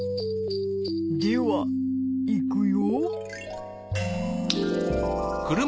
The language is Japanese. ではいくよ。